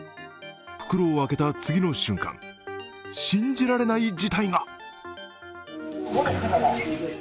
袋を開けた次の瞬間、信じられない事態が！